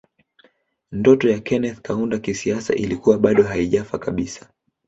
Ndoto ya Kenneth Kaunda kisiasa ilikuwa bado haijafa kabisa